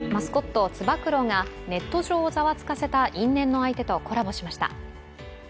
プロ野球・ヤクルトのマスコットつば九郎がネット上をざわつかせた因縁の相手とコラボしました。